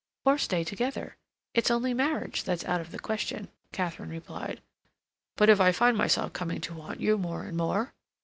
"Or stay together. It's only marriage that's out of the question," Katharine replied. "But if I find myself coming to want you more and more?"